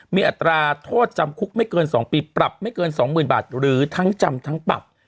มีอัตราโทษจำคุกไม่เกิน๒ปีปรับไม่เกิน๒๐๐๐บาทหรือทั้งจำทั้งปรับ